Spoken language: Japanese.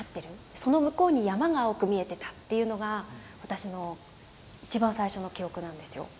その向こうに山が青く見えてたっていうのが私の一番最初の記憶なんですよ。